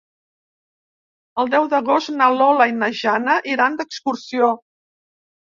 El deu d'agost na Lola i na Jana iran d'excursió.